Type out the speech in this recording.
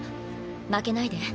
負けないで。